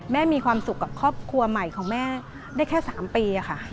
มีความสุขกับครอบครัวใหม่ของแม่ได้แค่๓ปีค่ะ